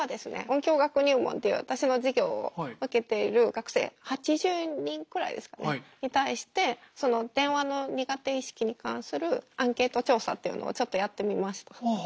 音響学入門っていう私の授業を受けている学生８０人くらいですかねに対して電話の苦手意識に関するアンケート調査っていうのをちょっとやってみました。